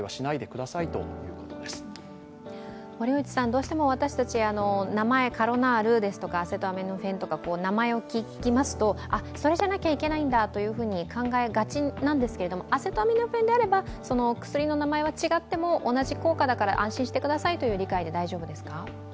どうしても私たち、名前カロナールですとかアセトアミノフェンとか、名前を聞きますとそれじゃなきゃいけないんだと考えがちなんですけれどもアセトアミノフェンであれば薬の名前は違っても同じ効果だから安心してくださいという理解で大丈夫ですか？